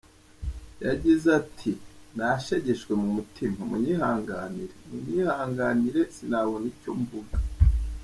Yagize ati “Nashegeshwe mu mutima, munyihanganire, munyihanganire, sinabona icyo mvuga”.